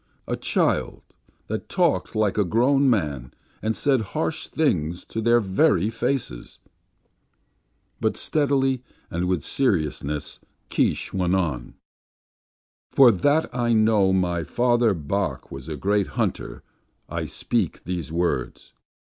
A child, that talked like a grown man, and said harsh things to their very faces! But steadily and with seriousness, Keesh went on. "For that I know my father, Bok, was a great hunter, I speak these words.